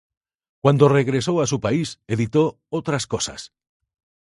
Cuando regresó a su país editó "Otras cosas".